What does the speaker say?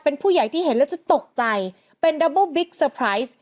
เป็นผู้ใหญ่ที่เห็นแล้วจะตกใจเป็นดับเบอร์บิ๊กเซอร์ไพรส์